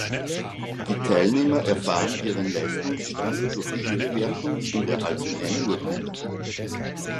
Die Teilnehmer erfahren ihren Leistungsstand durch Jurywertung und erhalten eine Urkunde.